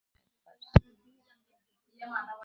আমি ভাবছি সে যদি সন্দেহ করে।